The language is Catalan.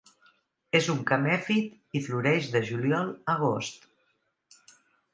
És un camèfit i floreix de juliola a agost.